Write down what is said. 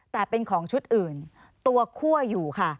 แต่เป็นของชุดอื่นตัวคั่วอยู่ค่ะ